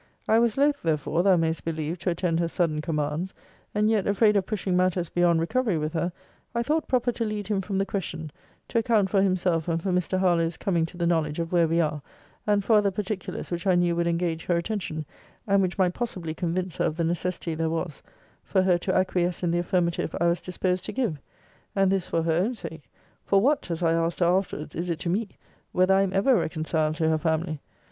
I was loth, therefore, thou may'st believe, to attend her sudden commands: and yet, afraid of pushing matters beyond recovery with her, I thought proper to lead him from the question, to account for himself and for Mr. Harlowe's coming to the knowledge of where we are; and for other particulars which I knew would engage her attention; and which might possibly convince her of the necessity there was for her to acquiesce in the affirmative I was disposed to give. And this for her own sake; For what, as I asked her afterwards, is it to me, whether I am ever reconciled to her family?